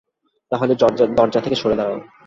তাহলে দরজা থেকে সরে দাঁড়াও।